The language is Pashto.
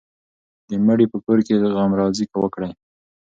د مړي په کور کې غمرازي وکړئ.